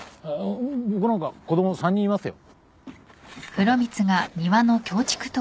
僕なんか子供３人いますよ。